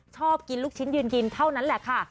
ชอบกินลูกชิ้นยืนกินเท่านั้นแหละค่ะ